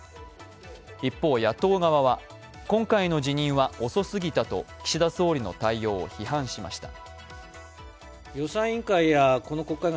一方、野党側は、今回の辞任は遅すぎたと岸田総理の対応を批判しました。